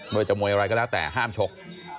ว่าจะมวยอะไรก็แล้วแต่ห้ามชก